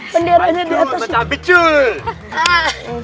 penderanya di atas